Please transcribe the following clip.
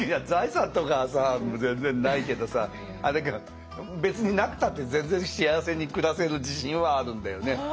財産とかはさ全然ないけどさ別になくたって全然幸せに暮らせる自信はあるんだよね。